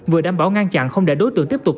vừa đảm bảo ngăn chặn không để đối tượng tiếp tục